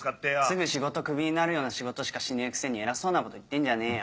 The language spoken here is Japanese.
すぐ仕事クビになるような仕事しかしねえくせに偉そうなこと言ってんじゃねえよ。